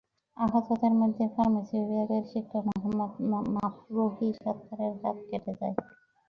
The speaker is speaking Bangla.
আহতদের মধ্যে ফার্মেসি বিভাগের শিক্ষক মোহাম্মদ মাফরুহী সাত্তারের হাত কেটে যায়।